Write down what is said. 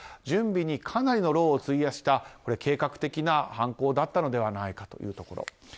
準備にかなりの労を費やした計画的な犯行だったのではないかというところ。